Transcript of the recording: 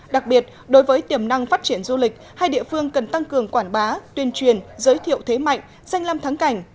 đặc biệt đối với tiềm năng phát triển du lịch hai địa phương cần tăng cường quảng bá tuyên truyền giới thiệu thế mạnh danh làm thắng cảnh